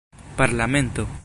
parlamento